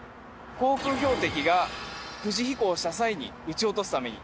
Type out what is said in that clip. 航空標的が不時飛行した際に撃ち落とすために。